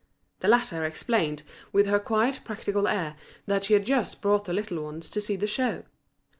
The latter explained, with her quiet practical air, that she had just brought the little ones to see the show.